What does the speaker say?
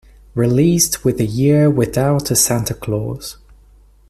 Released with "The Year Without a Santa Claus"